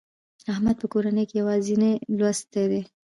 احمد په کورنۍ کې یوازینی لوستي و.